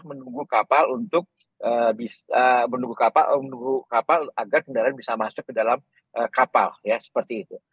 jadi mereka memungkinkan kendaraan untuk bisa menunggu ya menunggu kapal untuk bisa menunggu kapal agar kendaraan bisa masuk ke dalam kapal ya seperti itu